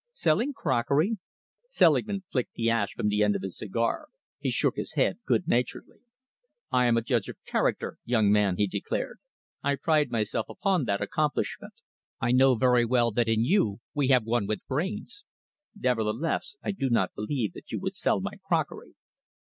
"Selling crockery?" Selingman flicked the ash from the end of his cigar. He shook his head good naturedly. "I am a judge of character, young man," he declared. "I pride myself upon that accomplishment. I know very well that in you we have one with brains. Nevertheless, I do not believe that you would sell my crockery."